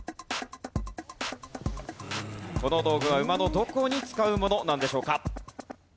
この道具は馬のどこに使うものなんでしょうか？